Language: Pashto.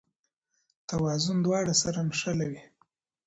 توازن دواړه سره نښلوي.